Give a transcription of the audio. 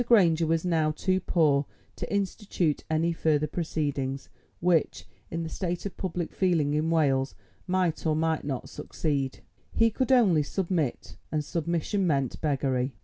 Granger was now too poor to institute any further proceedings, which, in the state of public feeling in Wales, might or might not succeed; he could only submit, and submission meant beggary.